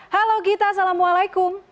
halo gita assalamualaikum